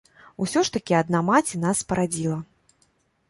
Усё ж такі адна маці нас спарадзіла.